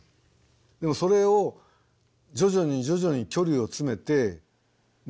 でもそれを徐々に徐々に距離を詰めてね？